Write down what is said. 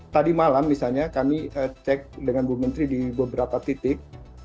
tadi malam misalnya kami cek dengan bu menteri di beberapa titik